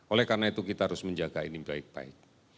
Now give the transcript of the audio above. oleh karena itu kita harus menjaga ini baik baik